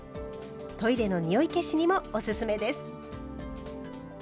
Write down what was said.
トイレの臭い消しにもおすすめです。